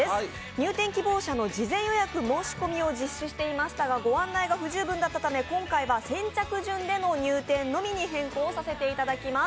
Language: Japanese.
入店希望者の事前予約申し込みを実施していましたがご案内が不十分だったため今回は先着順での入店のみに変更させていただきます。